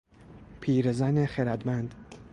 پیرزن خردمند